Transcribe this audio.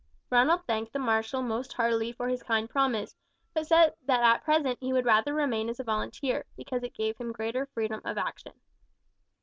Ronald thanked the marshal most heartily for his kind promise, but said that at present he would rather remain as a volunteer, because it gave him greater freedom of action.